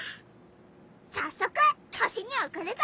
さっそく星におくるぞ！